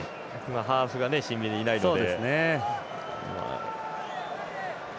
今、ハーフがシンビンでいないので。